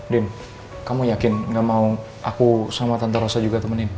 dim kamu yakin gak mau aku sama tante rosa juga temenin